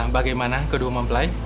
bagaimana kedua mempelai